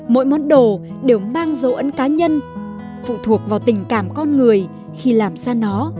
mỗi món đồ đều mang dấu ấn cá nhân phụ thuộc vào tình cảm con người khi làm ra nó